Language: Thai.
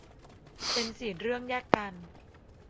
เป็นสี่เรื่องแยกกัน